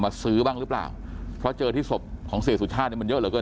ซื้อบ้างหรือเปล่าเพราะเจอที่ศพของเสียสุชาติเนี่ยมันเยอะเหลือเกิน